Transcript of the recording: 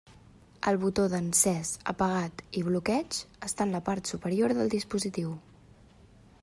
El botó d'encès, apagat i bloqueig està en la part superior del dispositiu.